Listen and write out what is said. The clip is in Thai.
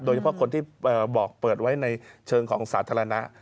โดยเฉพาะคนที่บอกเปิดไว้ในเชิงของสาธารณะ